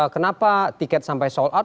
kenapa tiket sampai sold out